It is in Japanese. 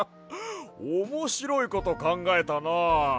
おもしろいことかんがえたな。